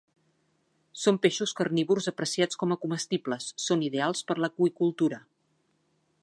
Són peixos carnívors apreciats com a comestibles, són ideals per a l'aqüicultura.